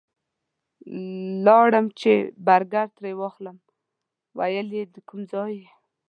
لاړم چې برګر ترې واخلم ویل یې د کوم ځای یې؟